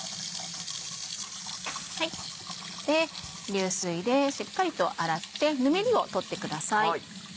流水でしっかりと洗ってぬめりを取ってください。